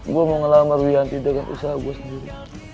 gua mau ngelamar bianti dengan usaha gua sendiri